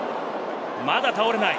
まだ倒れない。